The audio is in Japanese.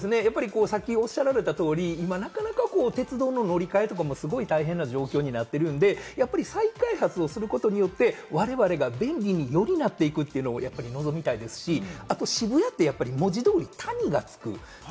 さっきおっしゃられた通り、鉄道の乗り換えとかも大変な状況になってるんで、再開発をすることによって我々が便利によりなっていくということを望みたいですし、渋谷って文字通り「谷」が付く。